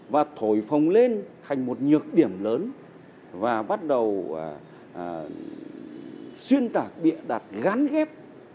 và thổi phồng lên thành một nhược điểm lớn và bắt đầu xuyên tạc bịa đặt gắn ghép